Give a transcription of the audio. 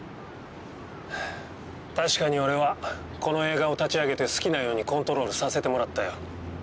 確かに俺はこの映画を立ち上げて好きなようにコントロールさせてもらったよ。